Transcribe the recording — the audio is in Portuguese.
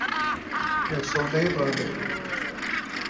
Eu sou da Irlanda.